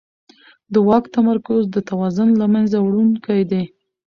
د واک تمرکز د توازن له منځه وړونکی دی